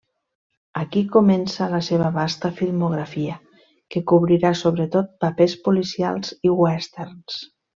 Aquí comença la seva vasta filmografia, que cobrirà sobretot papers policials i westerns.